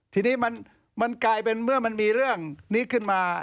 ทีนี้มันกลายเป็นเมื่อมันมีเรื่องนี้ขึ้นมา